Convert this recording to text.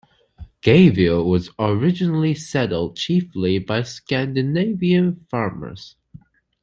Gayville was originally settled chiefly by Scandinavian farmers.